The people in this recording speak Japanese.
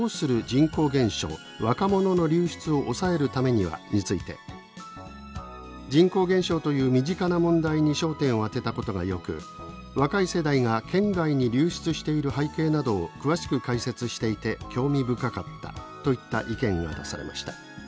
人口減少若者の流出を抑えるためには」について「人口減少という身近な問題に焦点を当てたことがよく若い世代が県外に流出している背景などを詳しく解説していて興味深かった」といった意見が出されました。